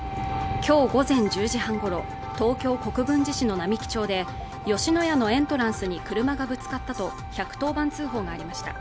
今日午前１０時半ごろ東京国分寺市の並木町で吉野家のエントランスに車がぶつかったと１１０番通報がありました